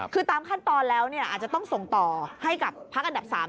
คือตามขั้นตอนแล้วอาจจะต้องส่งต่อให้กับพักอันดับ๓